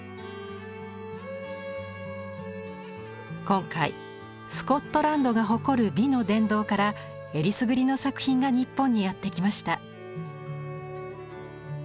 今回スコットランドが誇る美の殿堂からえりすぐりの作品が日本にやって来ました。